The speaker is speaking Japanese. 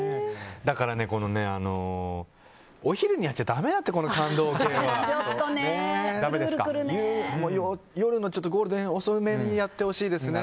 だからね、お昼にやっちゃだめだって、この感動系は。夜のゴールデン遅めにやってほしいですね。